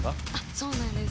そうなんです。